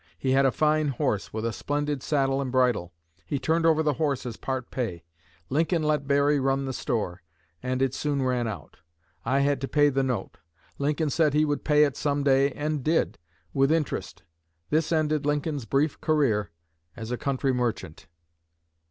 He had a fine horse, with a splendid saddle and bridle. He turned over the horse as part pay. Lincoln let Berry run the store, and it soon ran out. I had to pay the note. Lincoln said he would pay it some day and did, with interest." This ended Lincoln's brief career as a country merchant.